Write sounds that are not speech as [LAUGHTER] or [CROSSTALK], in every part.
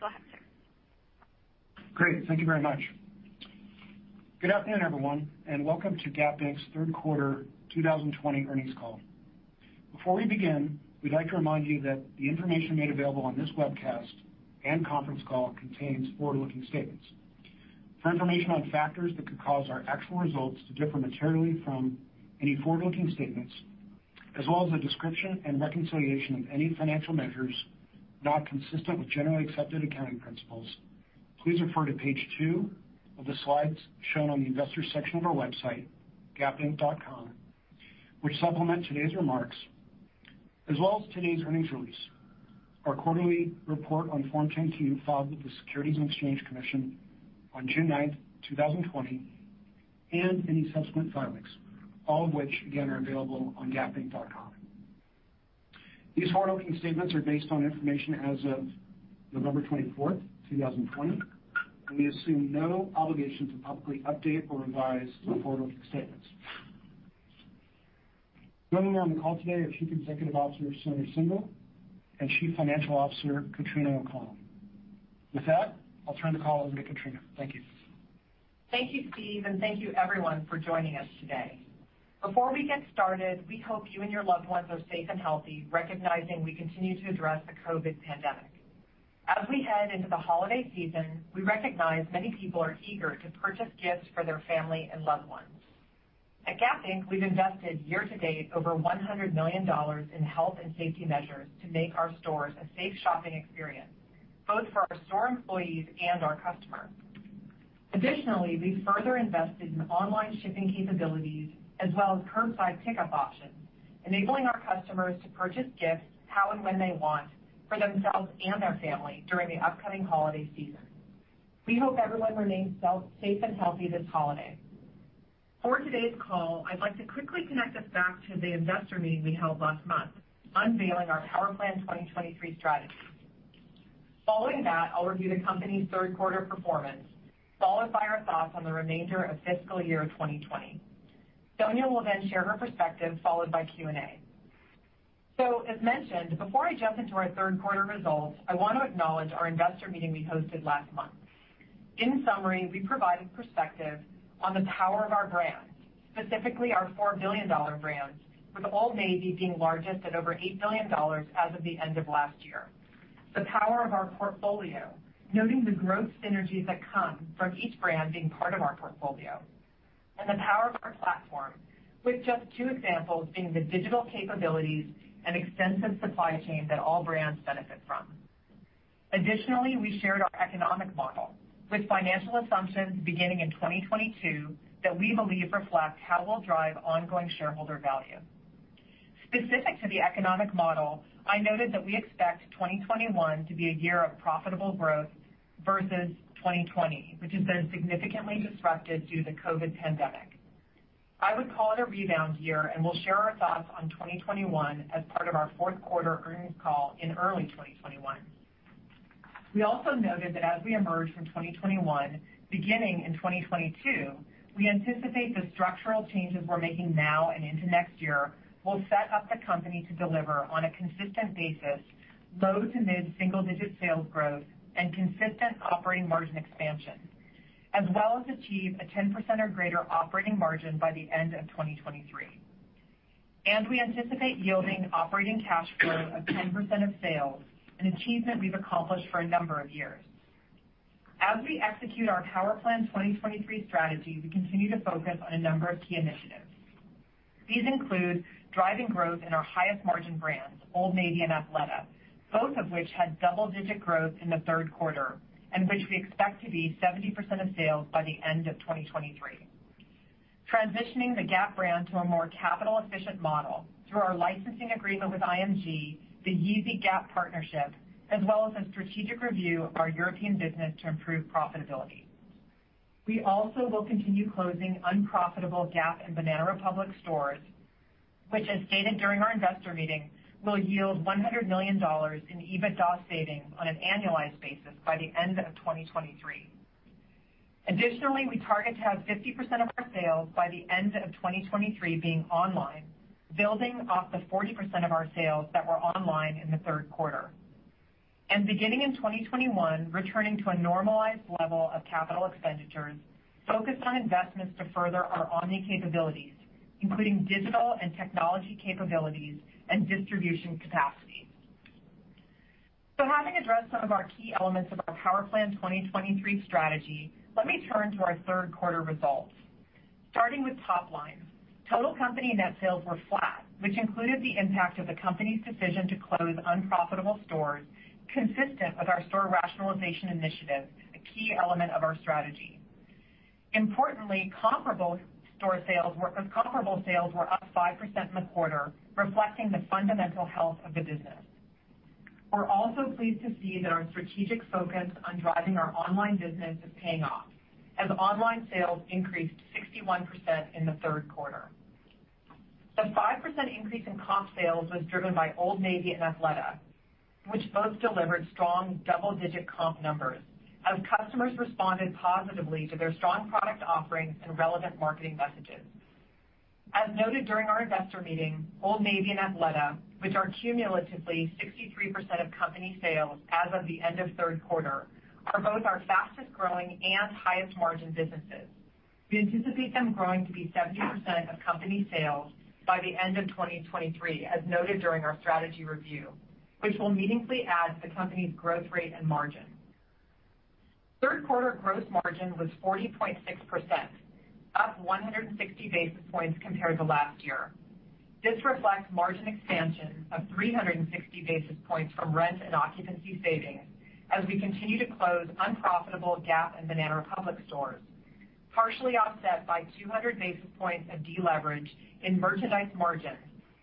Please go ahead, sir. Great. Thank you very much. Good afternoon, everyone, and welcome to Gap Inc.'s third quarter 2020 earnings call. Before we begin, we'd like to remind you that the information made available on this webcast and conference call contains forward-looking statements. For information on factors that could cause our actual results to differ materially from any forward-looking statements, as well as a description and reconciliation of any financial measures not consistent with generally accepted accounting principles, please refer to page two of the slides shown on the Investors section of our website, gapinc.com, which supplement today's remarks, as well as today's earnings release, our quarterly report on Form 10-Q filed with the Securities and Exchange Commission on June 9th, 2020, and any subsequent filings, all of which, again, are available on gapinc.com. These forward-looking statements are based on information as of November 24th, 2020, and we assume no obligation to publicly update or revise the forward-looking statements. Joining me on the call today are Chief Executive Officer, Sonia Syngal, and Chief Financial Officer, Katrina O'Connell. With that, I'll turn the call over to Katrina. Thank you. Thank you, Steve, and thank you everyone for joining us today. Before we get started, we hope you and your loved ones are safe and healthy, recognizing we continue to address the COVID pandemic. As we head into the holiday season, we recognize many people are eager to purchase gifts for their family and loved ones. At Gap Inc., we've invested year-to-date over $100 million in health and safety measures to make our stores a safe shopping experience, both for our store employees and our customers. Additionally, we've further invested in online shipping capabilities as well as curbside pickup options, enabling our customers to purchase gifts how and when they want for themselves and their family during the upcoming holiday season. We hope everyone remains safe and healthy this holiday. For today's call, I'd like to quickly connect us back to the investor meeting we held last month, unveiling our Power Plan 2023 strategy. Following that, I'll review the company's third quarter performance, followed by our thoughts on the remainder of fiscal year 2020. Sonia will share her perspective, followed by Q&A. As mentioned, before I jump into our third quarter results, I want to acknowledge our investor meeting we hosted last month. In summary, we provided perspective on the Power of our Brands, specifically our $4 billion brands, with Old Navy being largest at over $8 billion as of the end of last year. The Power of our Portfolio, noting the growth synergies that come from each brand being part of our portfolio. The Power of our Platform, with just two examples being the digital capabilities and extensive supply chain that all brands benefit from. Additionally, we shared our economic model with financial assumptions beginning in 2022 that we believe reflect how we'll drive ongoing shareholder value. Specific to the economic model, I noted that we expect 2021 to be a year of profitable growth versus 2020, which has been significantly disrupted due to the COVID pandemic. I would call it a rebound year, and we'll share our thoughts on 2021 as part of our fourth quarter earnings call in early 2021. We also noted that as we emerge from 2021, beginning in 2022, we anticipate the structural changes we're making now and into next year will set up the company to deliver on a consistent basis, low to mid single digit sales growth and consistent operating margin expansion, as well as achieve a 10% or greater operating margin by the end of 2023. We anticipate yielding operating cash flow of 10% of sales, an achievement we've accomplished for a number of years. As we execute our Power Plan 2023 strategy, we continue to focus on a number of key initiatives. These include driving growth in our highest margin brands, Old Navy and Athleta, both of which had double-digit growth in the third quarter, and which we expect to be 70% of sales by the end of 2023. Transitioning the Gap Brand to a more capital efficient model through our licensing agreement with IMG, the Yeezy Gap partnership, as well as a strategic review of our European business to improve profitability. We also will continue closing unprofitable Gap and Banana Republic stores, which as stated during our investor meeting, will yield $100 million in EBITDA savings on an annualized basis by the end of 2023. Additionally, we target to have 50% of our sales by the end of 2023 being online, building off the 40% of our sales that were online in the third quarter. Beginning in 2021, returning to a normalized level of capital expenditures focused on investments to further our omni capabilities, including digital and technology capabilities and distribution capacity. Having addressed some of our key elements of our Power Plan 2023 strategy, let me turn to our third quarter results. Starting with top line. Total company net sales were flat, which included the impact of the company's decision to close unprofitable stores consistent with our store rationalization initiative, a key element of our strategy. Importantly, comparable sales were up 5% in the quarter, reflecting the fundamental health of the business. We're also pleased to see that our strategic focus on driving our online business is paying off, as online sales increased 61% in the third quarter. The 5% increase in comp sales was driven by Old Navy and Athleta, which both delivered strong double-digit comp numbers as customers responded positively to their strong product offerings and relevant marketing messages. As noted during our investor meeting, Old Navy and Athleta, which are cumulatively 63% of company sales as of the end of third quarter, are both our fastest-growing and highest-margin businesses. We anticipate them growing to be 70% of company sales by the end of 2023, as noted during our strategy review, which will meaningfully add to the company's growth rate and margin. Third quarter gross margin was 40.6%, up 160 basis points compared to last year. This reflects margin expansion of 360 basis points from rent and occupancy savings as we continue to close unprofitable Gap and Banana Republic stores, partially offset by 200 basis points of deleverage in merchandise margins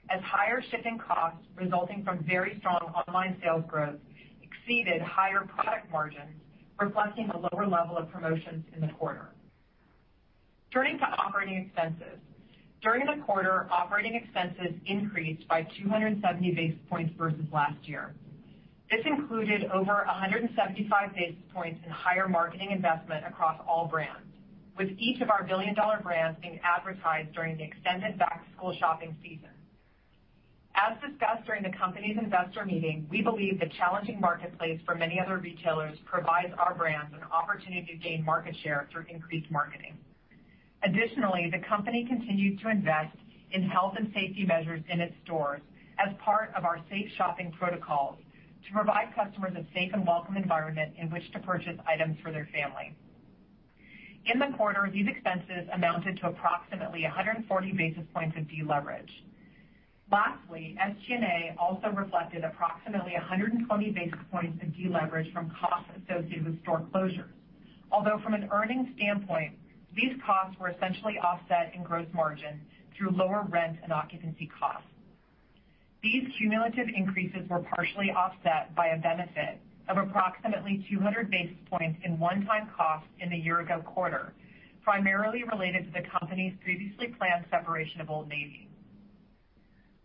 as higher shipping costs resulting from very strong online sales growth exceeded higher product margins, reflecting the lower level of promotions in the quarter. Turning to operating expenses. During the quarter, operating expenses increased by 270 basis points versus last year. This included over 175 basis points in higher marketing investment across all brands, with each of our billion-dollar brands being advertised during the extended back-to-school shopping season. As discussed during the company's investor meeting, we believe the challenging marketplace for many other retailers provides our brands an opportunity to gain market share through increased marketing. Additionally, the company continued to invest in health and safety measures in its stores as part of our safe shopping protocols to provide customers a safe and welcome environment in which to purchase items for their family. In the quarter, these expenses amounted to approximately 140 basis points of deleverage. Lastly, SG&A also reflected approximately 120 basis points of deleverage from costs associated with store closures. Although from an earnings standpoint, these costs were essentially offset in gross margin through lower rent and occupancy costs. These cumulative increases were partially offset by a benefit of approximately 200 basis points in one-time costs in the year-ago quarter, primarily related to the company's previously planned separation of Old Navy.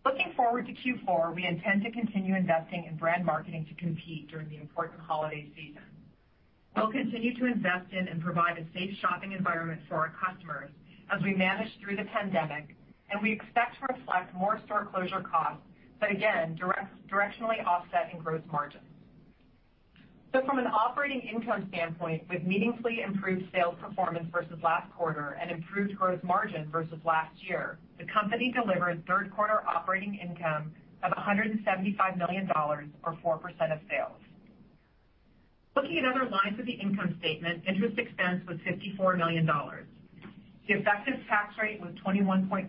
Looking forward to Q4, we intend to continue investing in brand marketing to compete during the important holiday season. We'll continue to invest in and provide a safe shopping environment for our customers as we manage through the pandemic, and we expect to reflect more store closure costs, but again, directionally offset in gross margin. From an operating income standpoint, with meaningfully improved sales performance versus last quarter and improved gross margin versus last year, the company delivered third quarter operating income of $175 million or 4% of sales. Looking at other lines of the income statement, interest expense was $54 million. The effective tax rate was 21.5%,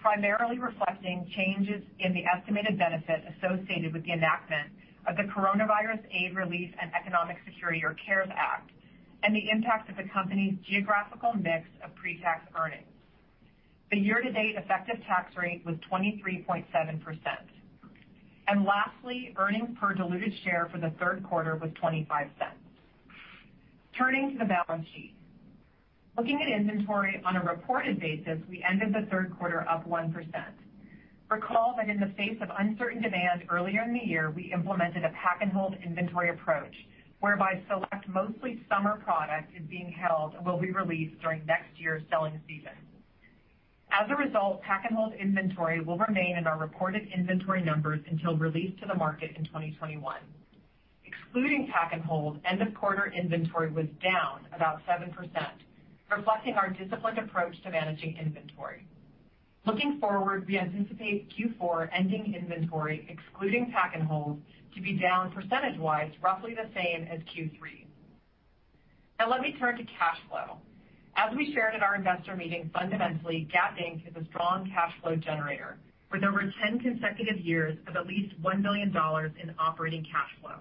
primarily reflecting changes in the estimated benefit associated with the enactment of the Coronavirus Aid, Relief, and Economic Security Act, or CARES Act, and the impact of the company's geographical mix of pre-tax earnings. The year-to-date effective tax rate was 23.7%. Lastly, earnings per diluted share for the third quarter was $0.25. Turning to the balance sheet. Looking at inventory on a reported basis, we ended the third quarter up 1%. Recall that in the face of uncertain demand earlier in the year, we implemented a pack-and-hold inventory approach, whereby select mostly summer product is being held and will be released during next year's selling season. As a result, pack-and-hold inventory will remain in our reported inventory numbers until released to the market in 2021. Excluding pack-and-hold, end-of-quarter inventory was down about 7%, reflecting our disciplined approach to managing inventory. Looking forward, we anticipate Q4 ending inventory, excluding pack-and-hold, to be down percentage-wise, roughly the same as Q3. Now let me turn to cash flow. As we shared at our investor meeting, fundamentally, Gap Inc. is a strong cash flow generator, with over 10 consecutive years of at least $1 billion in operating cash flow.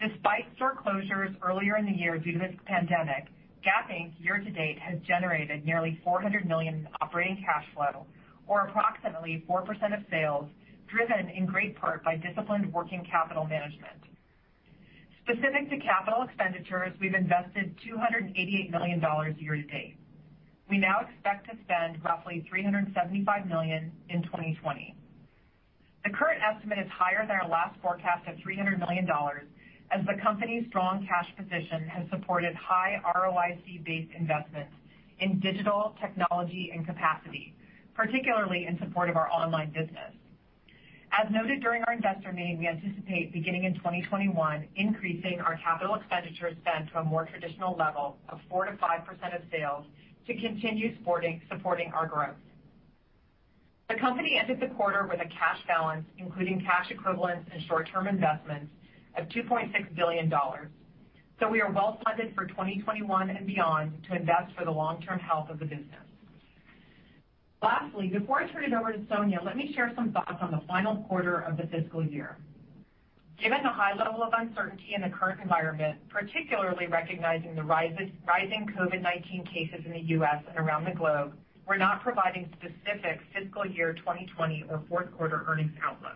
Despite store closures earlier in the year due to this pandemic, Gap Inc., year to date, has generated nearly $400 million in operating cash flow, or approximately 4% of sales, driven in great part by disciplined working capital management. Specific to capital expenditures, we've invested $288 million year to date. We now expect to spend roughly $375 million in 2020. The current estimate is higher than our last forecast of $300 million, as the company's strong cash position has supported high ROIC-based investments in digital technology and capacity, particularly in support of our online business. As noted during our investor meeting, we anticipate, beginning in 2021, increasing our capital expenditure spend to a more traditional level of 4%-5% of sales to continue supporting our growth. The company ended the quarter with a cash balance, including cash equivalents and short-term investments of $2.6 billion. We are well-funded for 2021 and beyond to invest for the long-term health of the business. Lastly, before I turn it over to Sonia, let me share some thoughts on the final quarter of the fiscal year. Recognizing the high level of uncertainty in the current environment, particularly recognizing the rising COVID-19 cases in the U.S. and around the globe, we're not providing specific fiscal year 2020 or fourth quarter earnings outlooks.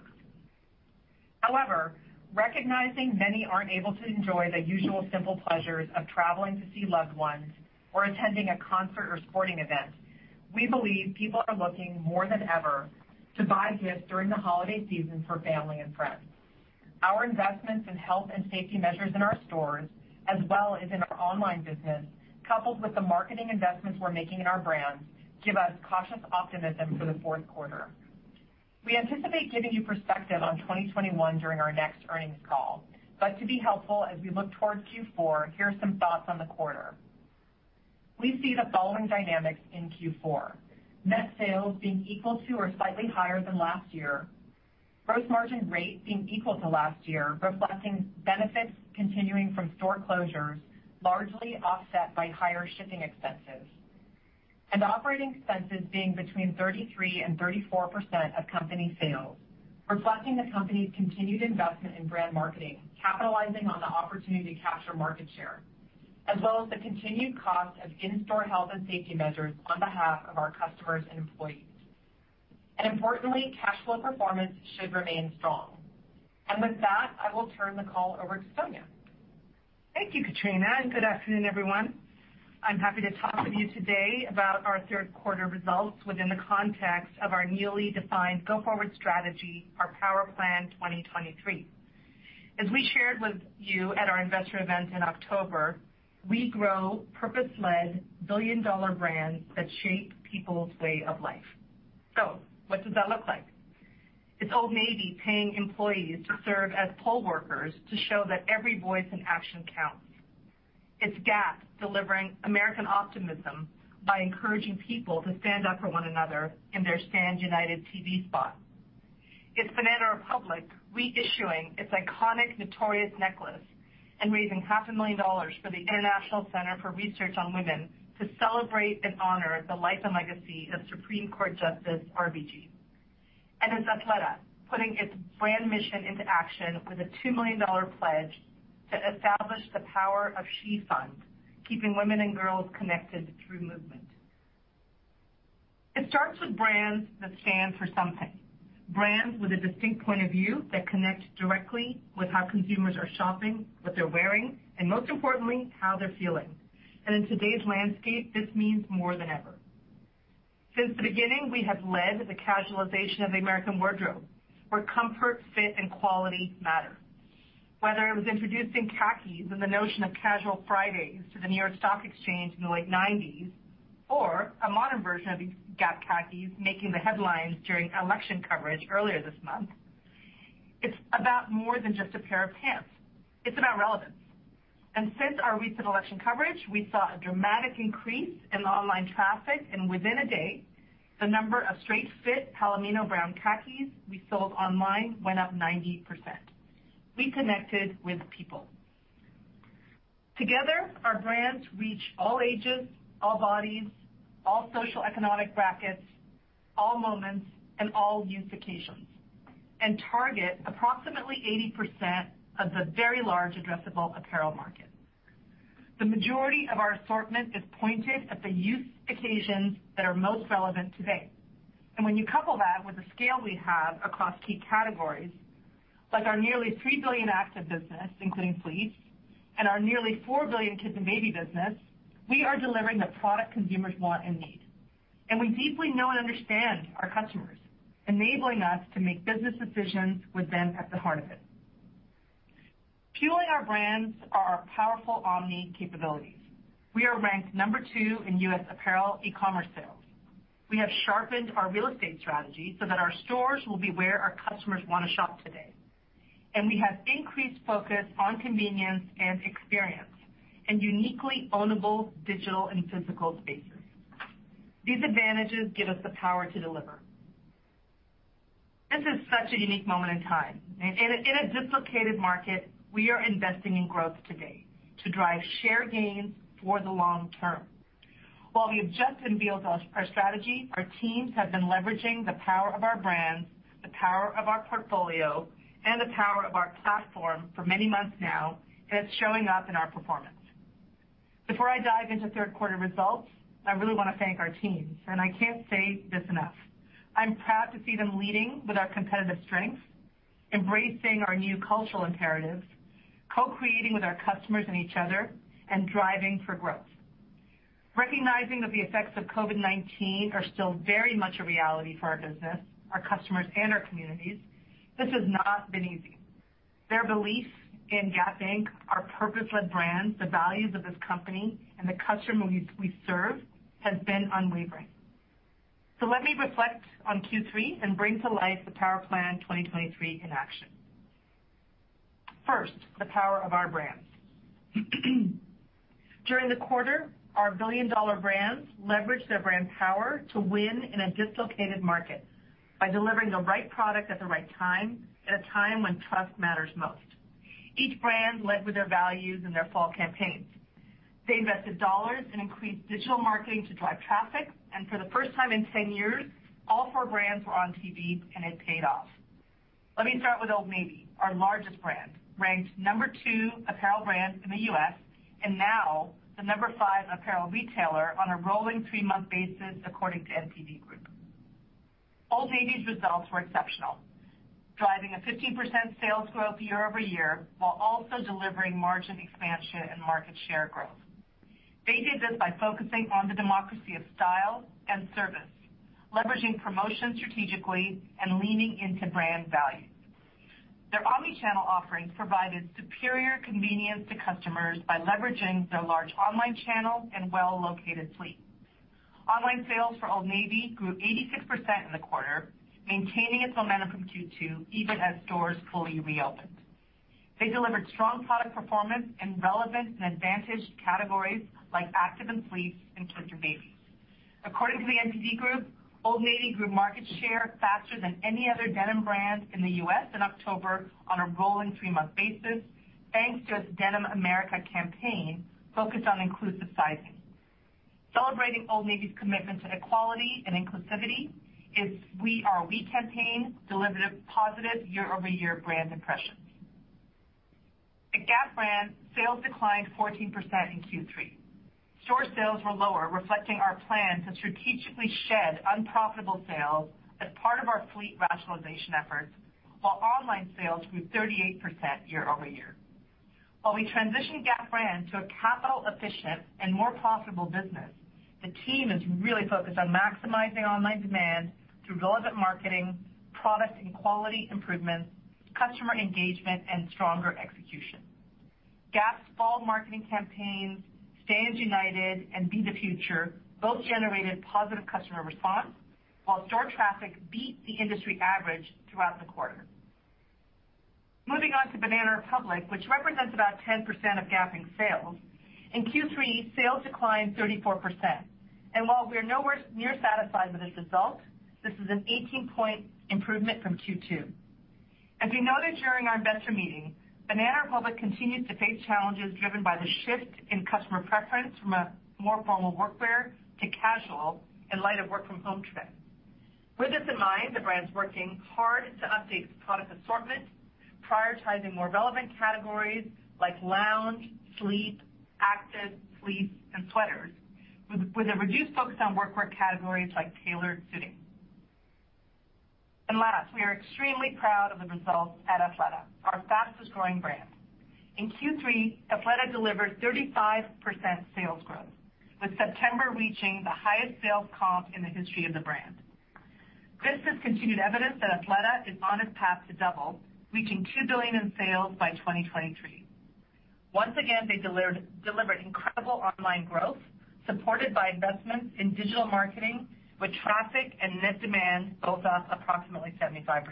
Recognizing many aren't able to enjoy the usual simple pleasures of traveling to see loved ones or attending a concert or sporting event, we believe people are looking, more than ever, to buy gifts during the holiday season for family and friends. Our investments in health and safety measures in our stores as well as in our online business, coupled with the marketing investments we're making in our brands, give us cautious optimism for the fourth quarter. We anticipate giving you perspective on 2021 during our next earnings call. To be helpful as we look towards Q4, here are some thoughts on the quarter. We see the following dynamics in Q4. Net sales being equal to or slightly higher than last year. Gross margin rate being equal to last year, reflecting benefits continuing from store closures, largely offset by higher shipping expenses. Operating expenses being between 33% and 34% of company sales, reflecting the company's continued investment in brand marketing, capitalizing on the opportunity to capture market share, as well as the continued cost of in-store health and safety measures on behalf of our customers and employees. Importantly, cash flow performance should remain strong. With that, I will turn the call over to Sonia. Thank you, Katrina, and good afternoon, everyone. I'm happy to talk with you today about our third quarter results within the context of our newly defined go-forward strategy, our Power Plan 2023. As we shared with you at our investor event in October, we grow purpose-led billion-dollar brands that shape people's way of life. What does that look like? It's Old Navy paying employees to serve as poll workers to show that every voice and action counts. It's Gap delivering American optimism by encouraging people to stand up for one another in their Stand United TV spot. It's Banana Republic reissuing its iconic Notorious necklace and raising $0.5 million for the International Center for Research on Women to celebrate and honor the life and legacy of Supreme Court Justice RBG. It's Athleta, putting its brand mission into action with a $2 million pledge to establish the Power of She Fund, keeping women and girls connected through movement. It starts with brands that stand for something, brands with a distinct point of view that connect directly with how consumers are shopping, what they're wearing, and most importantly, how they're feeling. In today's landscape, this means more than ever. Since the beginning, we have led the casualization of the American wardrobe, where comfort, fit, and quality matter. Whether it was introducing khakis and the notion of Casual Fridays to the New York Stock Exchange in the late '90s or a modern version of these Gap khakis making the headlines during election coverage earlier this month, it's about more than just a pair of pants. It's about relevance. Since our recent election coverage, we saw a dramatic increase in the online traffic, and within a day, the number of straight fit palomino brown khakis we sold online went up 90%. We connected with people. Together, our brands reach all ages, all bodies, all socioeconomic brackets, all moments, and all use occasions, and target approximately 80% of the very large addressable apparel market. The majority of our assortment is pointed at the use occasions that are most relevant today. When you couple that with the scale we have across key categories, like our nearly $3 billion active business, including fleece, and our nearly $4 billion kids and baby business, we are delivering the product consumers want and need. We deeply know and understand our customers, enabling us to make business decisions with them at the heart of it. Fueling our brands are our powerful omni capabilities. We are ranked number two in U.S. apparel e-commerce sales. We have sharpened our real estate strategy so that our stores will be where our customers wanna shop today. We have increased focus on convenience and experience and uniquely ownable digital and physical spaces. These advantages give us the power to deliver. This is such a unique moment in time. In a dislocated market, we are investing in growth today to drive share gains for the long term. While we adjust and build our strategy, our teams have been leveraging the Power of our Brands, the Power of our Portfolio, and the Power of our Platform for many months now, and it's showing up in our performance. Before I dive into third quarter results, I really wanna thank our teams, and I can't say this enough. I'm proud to see them leading with our competitive strengths, embracing our new cultural imperatives, co-creating with our customers and each other, and driving for growth. Recognizing that the effects of COVID-19 are still very much a reality for our business, our customers, and our communities, this has not been easy. Their belief in Gap Inc., our purpose-led brands, the values of this company, and the customer we serve has been unwavering. Let me reflect on Q3 and bring to life the Power Plan 2023 in action. First, the Power of our Brands. During the quarter, our billion-dollar brands leveraged their brand power to win in a dislocated market by delivering the right product at the right time, at a time when trust matters most. Each brand led with their values in their fall campaigns. They invested dollars in increased digital marketing to drive traffic, and for the first time in 10 years, all four brands were on TV, and it paid off. Let me start with Old Navy, our largest brand, ranked number two apparel brand in the U.S., and now the number five apparel retailer on a rolling three-month basis, according to NPD Group. Old Navy's results were exceptional, driving a 15% sales growth year-over-year while also delivering margin expansion and market share growth. They did this by focusing on the democracy of style and service, leveraging promotions strategically, and leaning into brand value. Their omni-channel offering provided superior convenience to customers by leveraging their large online channel and well-located fleet. Online sales for Old Navy grew 86% in the quarter, maintaining its momentum from Q2 even as stores fully reopened. They delivered strong product performance in relevant and advantaged categories like active and sleep and kids' and babies. According to The NPD Group, Old Navy grew market share faster than any other denim brand in the U.S. in October on a rolling three-month basis, thanks to its denim America campaign focused on inclusive sizing. Celebrating Old Navy's commitment to equality and inclusivity, its We Are We campaign delivered a positive year-over-year brand impression. At Gap Brand, sales declined 14% in Q3. Store sales were lower, reflecting our plan to strategically shed unprofitable sales as part of our fleet rationalization efforts, while online sales grew 38% year-over-year. While we transition Gap Brand to a capital-efficient and more profitable business, the team is really focused on maximizing online demand through relevant marketing, product and quality improvements, customer engagement, and stronger execution. Gap's fall marketing campaigns, Stand United and BE THE FUTURE, both generated positive customer response, while store traffic beat the industry average throughout the quarter. Moving on to Banana Republic, which represents about 10% of Gap Inc. sales. In Q3, sales declined 34%. While we are nowhere near satisfied with this result, this is an 18-point improvement from Q2. As we noted during our investor meeting, Banana Republic continues to face challenges driven by the shift in customer preference from a more formal workwear to casual in light of work-from-home trends. With this in mind, the brand's working hard to update its product assortment, prioritizing more relevant categories like lounge, sleep, active, sleep, and sweaters with a reduced focus on workwear categories like tailored suiting. Last, we are extremely proud of the results at Athleta, our fastest-growing brand. In Q3, Athleta delivered 35% sales growth, with September reaching the highest sales comp in the history of the brand. This is continued evidence that Athleta is on its path to double, reaching $2 billion in sales by 2023. Once again, they delivered incredible online growth, supported by investments in digital marketing, with traffic and net demand both up approximately 75%.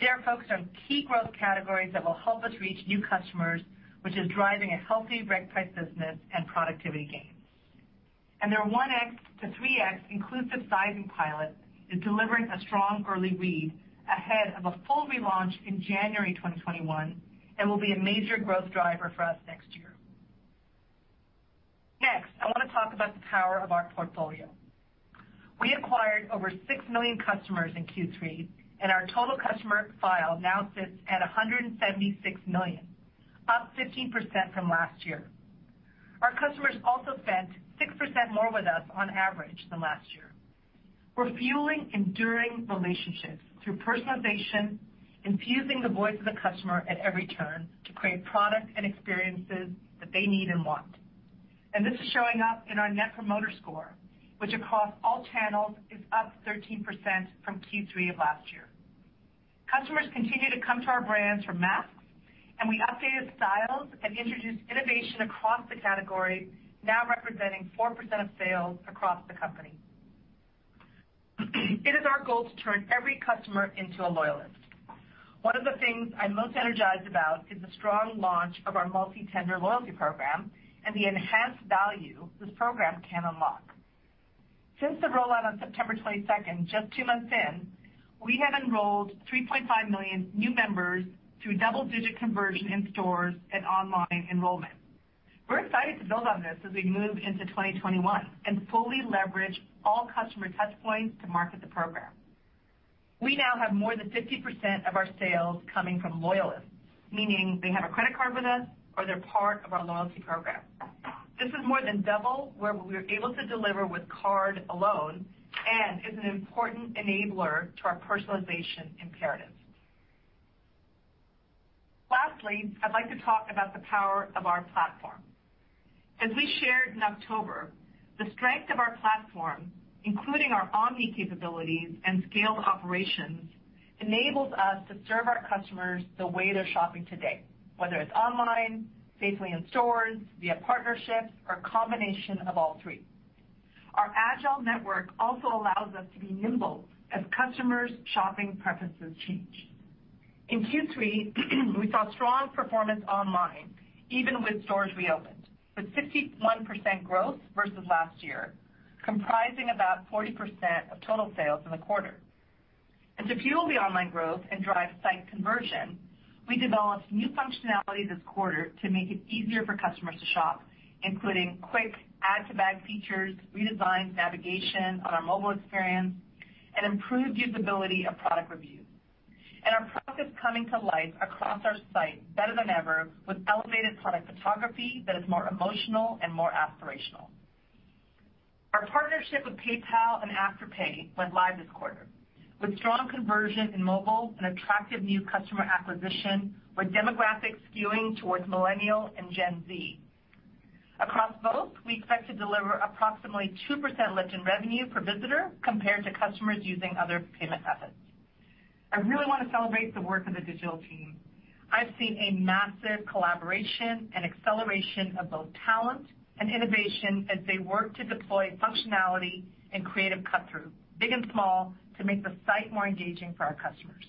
They are focused on key growth categories that will help us reach new customers, which is driving a healthy reg price business and productivity gains. Their 1X to 3X inclusive sizing pilot is delivering a strong early read ahead of a full relaunch in January 2021 and will be a major growth driver for us next year. Next, I wanna talk about the Power of our Portfolio. We acquired over 6 million customers in Q3, our total customer file now sits at 176 million, up 15% from last year. Our customers also spent 6% more with us on average than last year. We're fueling enduring relationships through personalization, infusing the voice of the customer at every turn to create product and experiences that they need and want. This is showing up in our Net Promoter Score, which across all channels is up 13% from Q3 of last year. Customers continue to come to our brands for masks, and we updated styles and introduced innovation across the category, now representing 4% of sales across the company. It is our goal to turn every customer into a loyalist. One of the things I'm most energized about is the strong launch of our multi-tender loyalty program and the enhanced value this program can unlock. Since the rollout on September 22nd, just two months in, we have enrolled 3.5 million new members through double-digit conversion in stores and online enrollment. We're excited to build on this as we move into 2021 and fully leverage all customer touchpoints to market the program. We now have more than 50% of our sales coming from loyalists, meaning they have a credit card with us or they're part of our loyalty program. This is more than double where we were able to deliver with card alone and is an important enabler to our personalization imperative. Lastly, I'd like to talk about the Power of our Platform. As we shared in October, the strength of our platform, including our omni capabilities and scaled operations, enables us to serve our customers the way they're shopping today, whether it's online, safely in stores, via partnerships, or a combination of all three. Our agile network also allows us to be nimble as customers' shopping preferences change. In Q3, we saw strong performance online, even with stores reopened, with 61% growth versus last year, comprising about 40% of total sales in the quarter. To fuel the online growth and drive site conversion, we developed new functionality this quarter to make it easier for customers to shop, including quick add to bag features, redesigned navigation on our mobile experience, and improved usability of product reviews. Our product is coming to life across our site better than ever with elevated product photography that is more emotional and more aspirational. Our partnership with PayPal and Afterpay went live this quarter with strong conversion in mobile and attractive new customer acquisition, with demographics skewing towards Millennial and Gen Z. Across both, we expect to deliver approximately 2% lift in revenue per visitor compared to customers using other payment methods. I really want to celebrate the work of the digital team. I've seen a massive collaboration and acceleration of both talent and innovation as they work to deploy functionality and creative cut-through, big and small, to make the site more engaging for our customers.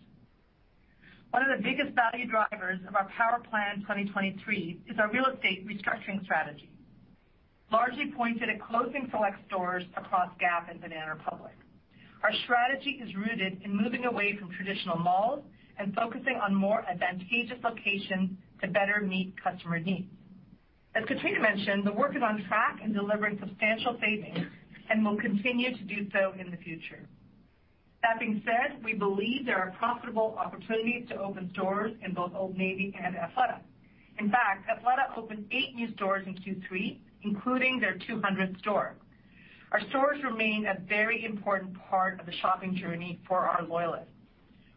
One of the biggest value drivers of our Power Plan 2023 is our real estate restructuring strategy, largely pointed at closing select stores across Gap and Banana Republic. Our strategy is rooted in moving away from traditional malls and focusing on more advantageous locations to better meet customer needs. As Katrina mentioned, the work is on track in delivering substantial savings and will continue to do so in the future. That being said, we believe there are profitable opportunities to open stores in both Old Navy and Athleta. In fact, Athleta opened eight new stores in Q3, including their 200th store. Our stores remain a very important part of the shopping journey for our loyalists.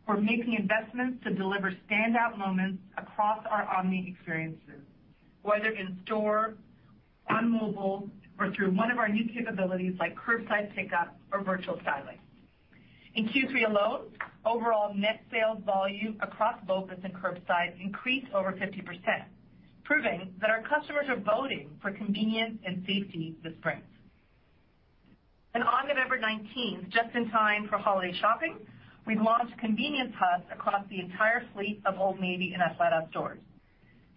We're making investments to deliver standout moments across our omni experiences, whether in store, on mobile, or through one of our new capabilities like curbside pickup or virtual styling. In Q3 alone, overall net sales volume across BOPIS and curbside increased over 50%, proving that our customers are voting for convenience and safety this spring. On November 19th, just in time for holiday shopping, we launched convenience hubs across the entire fleet of Old Navy and Athleta stores.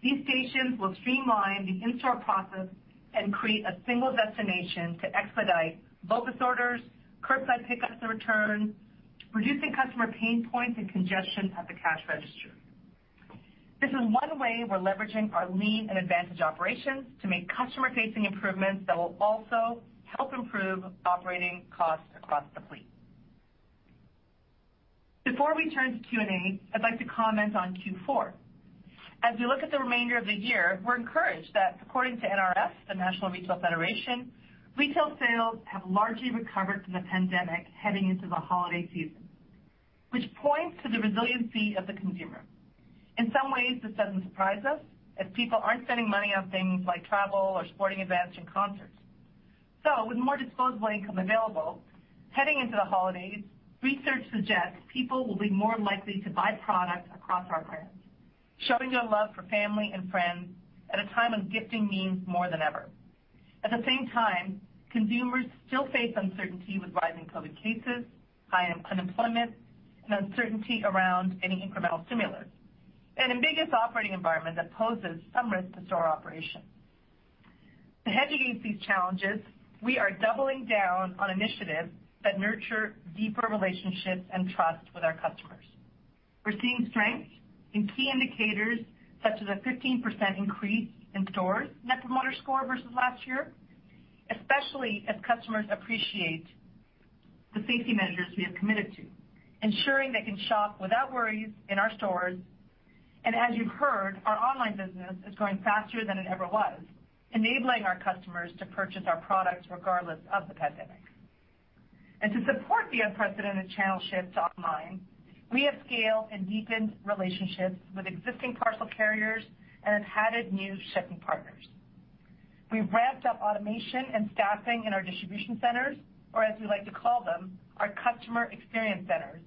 These stations will streamline the in-store process and create a single destination to expedite BOPIS orders, curbside pickups and returns, reducing customer pain points and congestion at the cash register. This is one way we're leveraging our lean and advantaged operations to make customer-facing improvements that will also help improve operating costs across the fleet. Before we turn to Q&A, I'd like to comment on Q4. As we look at the remainder of the year, we're encouraged that according to NRF, the National Retail Federation, retail sales have largely recovered from the pandemic heading into the holiday season, which points to the resiliency of the consumer. In some ways, this doesn't surprise us, as people aren't spending money on things like travel or sporting events and concerts. With more disposable income available, heading into the holidays, research suggests people will be more likely to buy products across our brands, showing their love for family and friends at a time when gifting means more than ever. At the same time, consumers still face uncertainty with rising COVID cases, high unemployment, and uncertainty around any incremental stimulus, an ambiguous operating environment that poses some risk to store operations. To hedge against these challenges, we are doubling down on initiatives that nurture deeper relationships and trust with our customers. We're seeing strength in key indicators such as a 15% increase in store Net Promoter Score versus last year, especially as customers appreciate the safety measures we have committed to, ensuring they can shop without worries in our stores. As you've heard, our online business is growing faster than it ever was, enabling our customers to purchase our products regardless of the pandemic. To support the unprecedented channel shifts online, we have scaled and deepened relationships with existing parcel carriers and have added new shipping partners. We've ramped up automation and staffing in our distribution centers, or as we like to call them, our customer experience centers,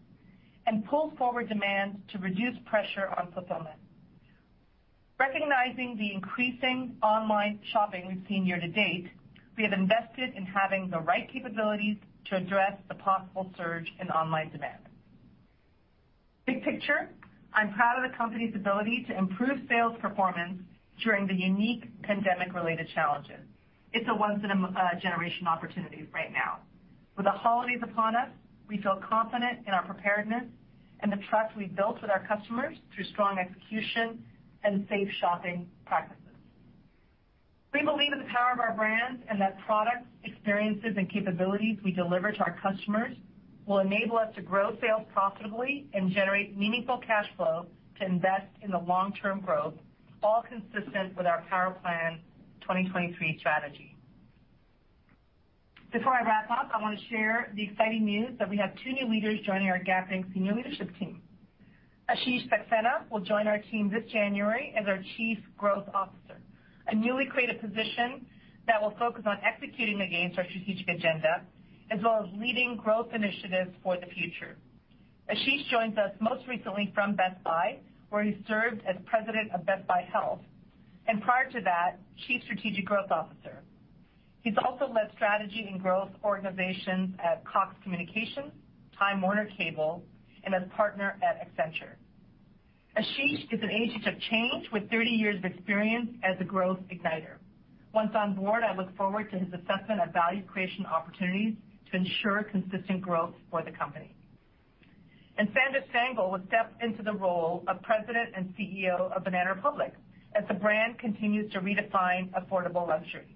and pulled forward demand to reduce pressure on fulfillment. Recognizing the increasing online shopping we've seen year to date, we have invested in having the right capabilities to address the possible surge in online demand. Big picture, I'm proud of the company's ability to improve sales performance during the unique pandemic-related challenges. It's a once in a generation opportunity right now. With the holidays upon us, we feel confident in our preparedness and the trust we've built with our customers through strong execution and safe shopping practices. We believe in the Power of our Brands and that products, experiences, and capabilities we deliver to our customers will enable us to grow sales profitably and generate meaningful cash flow to invest in the long-term growth, all consistent with our Power Plan 2023 strategy. Before I wrap up, I want to share the exciting news that we have two new leaders joining our Gap Inc. senior leadership team. Asheesh Saksena will join our team this January as our Chief Growth Officer, a newly created position that will focus on executing against our strategic agenda, as well as leading growth initiatives for the future. Asheesh joins us most recently from Best Buy, where he served as President of Best Buy Health, and prior to that, Chief Strategic Growth Officer. He's also led strategy and growth organizations at Cox Communications, Time Warner Cable, and as a partner at Accenture. Asheesh is an agent of change with 30 years of experience as a growth igniter. Once on board, I look forward to his assessment of value creation opportunities to ensure consistent growth for the company. Sandra Stangl will step into the role of President and CEO of Banana Republic as the brand continues to redefine affordable luxury.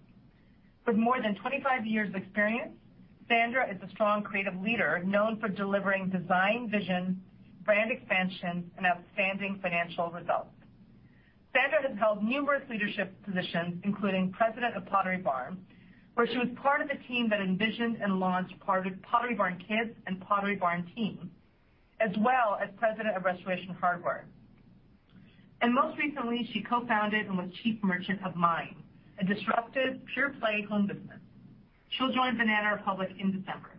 With more than 25 years experience, Sandra is a strong creative leader known for delivering design vision, brand expansion, and outstanding financial results. Sandra has held numerous leadership positions, including President of Pottery Barn, where she was part of a team that envisioned and launched Pottery Barn Kids and Pottery Barn Teen, as well as President of Restoration Hardware. Most recently, she co-founded and was chief merchant of MINE, a disruptive pure-play home business. She'll join Banana Republic in December.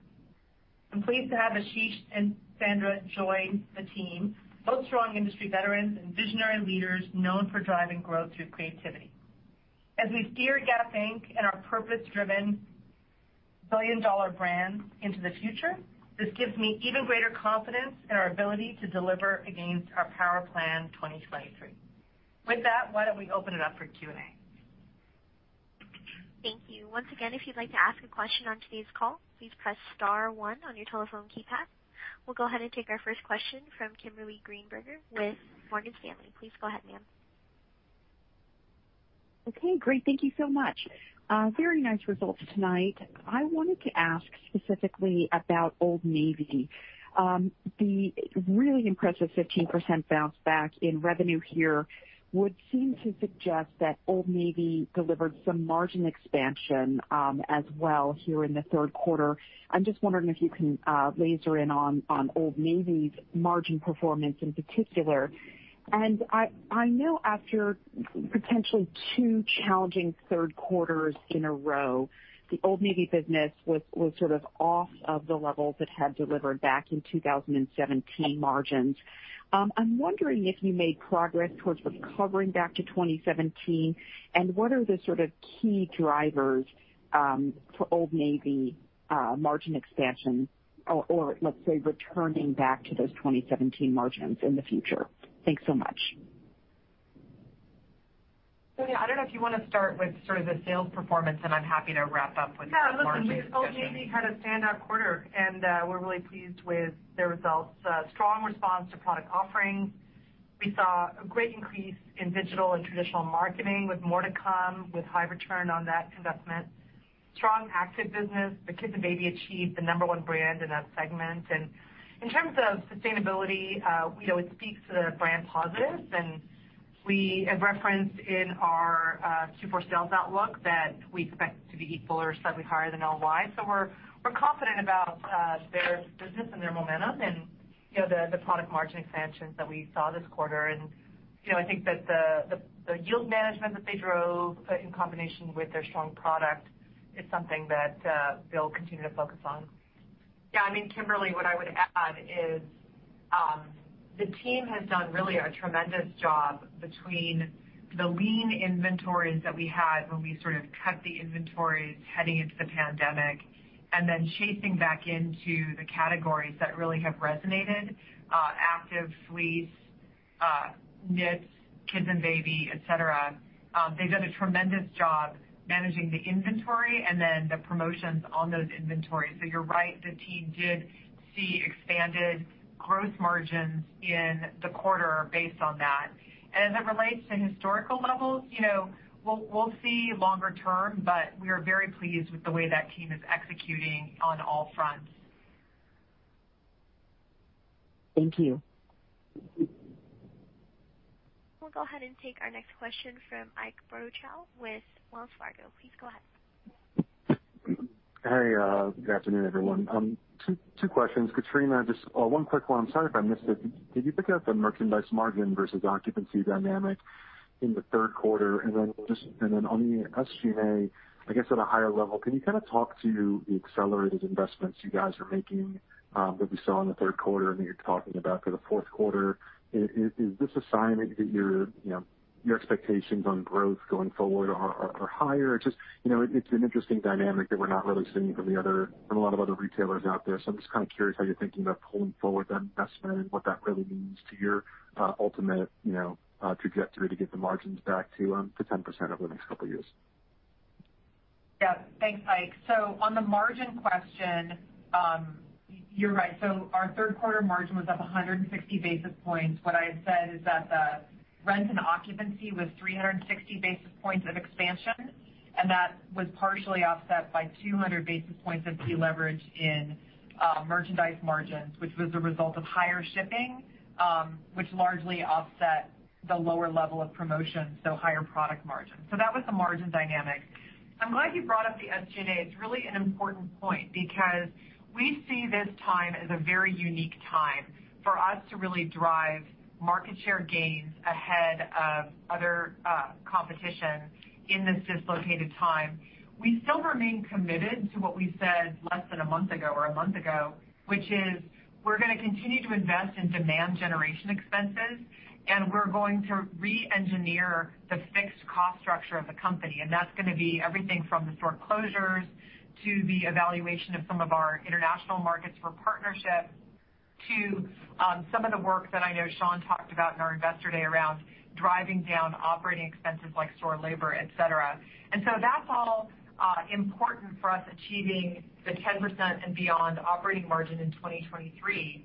I'm pleased to have Asheesh and Sandra join the team, both strong industry veterans and visionary leaders known for driving growth through creativity. As we steer Gap Inc. and our purpose-driven billion-dollar brand into the future, this gives me even greater confidence in our ability to deliver against our Power Plan 2023. With that, why don't we open it up for Q&A? Thank you. Once again, if you'd like to ask a question on today's call, please press star one on your telephone keypad. We'll go ahead and take our first question from Kimberly Greenberger with Morgan Stanley. Please go ahead, ma'am. Okay, great. Thank you so much. Very nice results tonight. I wanted to ask specifically about Old Navy. The really impressive 15% bounce back in revenue here would seem to suggest that Old Navy delivered some margin expansion, as well here in the third quarter. I'm just wondering if you can laser in on Old Navy's margin performance in particular. I know after potentially two challenging third quarters in a row, the Old Navy business was sort of off of the levels it had delivered back in 2017 margins. I'm wondering if you made progress towards recovering back to 2017, and what are the sort of key drivers, for Old Navy margin expansion or, let's say, returning back to those 2017 margins in the future. Thanks so much. Sonia, I don't know if you want to start with sort of the sales performance, and I'm happy to wrap up with margin expansion. Yeah. Listen, Old Navy had a standout quarter, and we're really pleased with the results. Strong response to product offerings. We saw a great increase in digital and traditional marketing with more to come with high return on that investment. Strong active business. The kids and baby achieved the number one brand in that segment. In terms of sustainability, it speaks to the brand positive, and we have referenced in our Q4 sales outlook that we expect to be equal or slightly higher than LY. We're confident about their business and their momentum and the product margin expansions that we saw this quarter. I think that the yield management that they drove in combination with their strong product is something that they'll continue to focus on. Yeah, I mean, Kimberly, what I would add is the team has done really a tremendous job between the lean inventories that we had when we sort of cut the inventories heading into the pandemic and then chasing back into the categories that really have resonated, active fleece, knits, kids and baby, et cetera. They've done a tremendous job managing the inventory and then the promotions on those inventories. You're right, the team did see expanded gross margins in the quarter based on that. As it relates to historical levels, we'll see longer term, but we are very pleased with the way that team is executing on all fronts. Thank you. We'll go ahead and take our next question from Ike Boruchow with Wells Fargo. Please go ahead. Hey, good afternoon, everyone. Two questions. Katrina, just one quick one. I'm sorry if I missed it. Did you pick up the merchandise margin versus occupancy dynamic in the third quarter? On the SG&A, I guess at a higher level, can you talk to the accelerated investments you guys are making that we saw in the third quarter and that you're talking about for the fourth quarter? Is this a sign that your expectations on growth going forward are higher? It's an interesting dynamic that we're not really seeing from a lot of other retailers out there. I'm just kind of curious how you're thinking about pulling forward the investment and what that really means to your ultimate trajectory to get the margins back to 10% over the next couple years. Thanks, Ike. On the margin question, you're right. Our third quarter margin was up 160 basis points. What I had said is that the rent and occupancy was 360 basis points of expansion, and that was partially offset by 200 basis points of deleverage in merchandise margins, which was a result of higher shipping, which largely offset the lower level of promotion, so higher product margin. That was the margin dynamic. I'm glad you brought up the SG&A. It's really an important point because we see this time as a very unique time for us to really drive market share gains ahead of other competition in this dislocated time. We still remain committed to what we said less than a month ago or a month ago, which is we're gonna continue to invest in demand generation expenses, and we're going to re-engineer the fixed cost structure of the company. That's gonna be everything from the store closures to the evaluation of some of our international markets for partnerships to some of the work that I know Sean talked about in our Investor Day around driving down operating expenses like store labor, et cetera. That's all important for us achieving the 10% and beyond operating margin in 2023.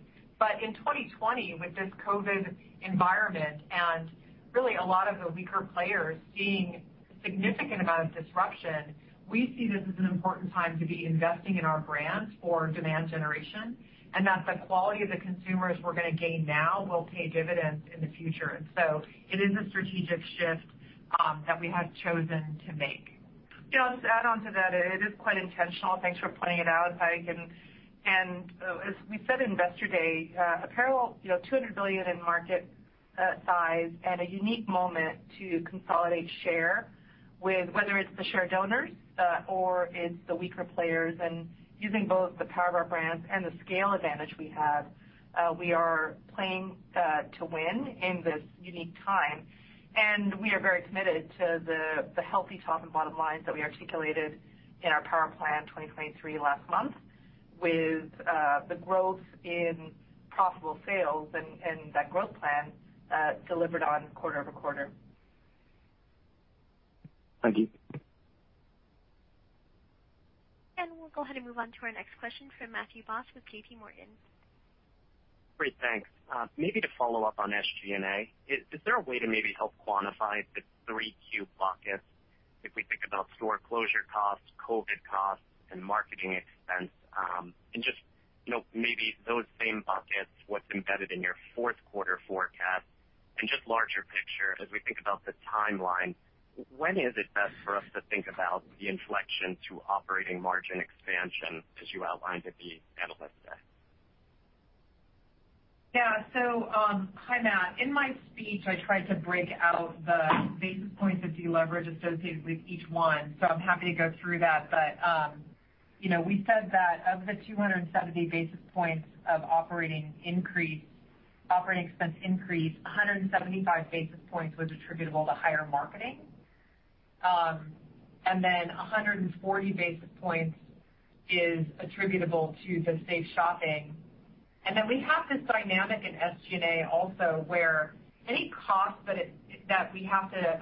In 2020, with this COVID environment and really a lot of the weaker players seeing significant amount of disruption. We see this as an important time to be investing in our brands for demand generation, and that the quality of the consumers we're going to gain now will pay dividends in the future. It is a strategic shift that we have chosen to make. I'll just add onto that. It is quite intentional. Thanks for pointing it out, Ike. As we said in Investor Day, apparel, $200 billion in market size and a unique moment to consolidate share with, whether it's the share donors or it's the weaker players, using both the Power of our Brands and the scale advantage we have, we are playing to win in this unique time. We are very committed to the healthy top and bottom lines that we articulated in our Power Plan 2023 last month with the growth in profitable sales and that growth plan delivered on quarter-over-quarter. Thank you. We'll go ahead and move on to our next question from Matthew Boss with JPMorgan. Great. Thanks. Maybe to follow up on SG&A, is there a way to maybe help quantify the 3Q buckets if we think about store closure costs, COVID costs, and marketing expense, and just maybe those same buckets, what's embedded in your fourth quarter forecast? Just larger picture as we think about the timeline, when is it best for us to think about the inflection to operating margin expansion as you outlined at the Analyst Day? Hi, Matt. In my speech, I tried to break out the basis points of deleverage associated with each one, I'm happy to go through that. We said that of the 270 basis points of operating expense increase, 175 basis points was attributable to higher marketing. 140 basis points is attributable to the safe shopping. We have this dynamic in SG&A also, where any cost that we have to